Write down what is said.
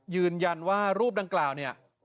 ยืนยันว่ารูปดังคราวนี้